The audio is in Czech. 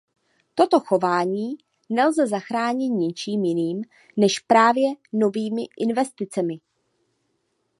Toto chování nelze zachránit ničím jiným než právě novými investicemi.